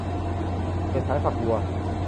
เปลี่ยนสายฝักบัว